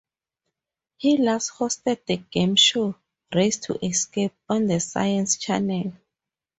He last hosted the game show "Race to Escape" on the Science Channel.